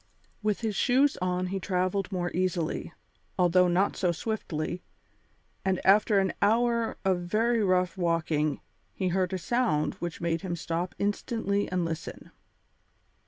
With his shoes on he travelled more easily, although not so swiftly, and after an hour of very rough walking he heard a sound which made him stop instantly and listen.